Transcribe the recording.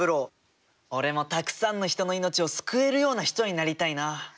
俺もたっくさんの人の命を救えるような人になりたいな。